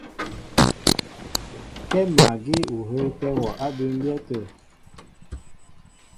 Kɛ́ magí ó hə́ə́tɛ́ wɔ á bʉmbyɛ́ tə̂.